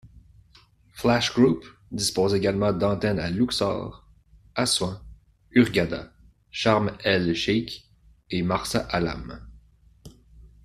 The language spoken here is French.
Flash Group dispose également d'antennes à Louxor, Assouan, Hurghada, Charm el-Cheikh et Marsa Alam.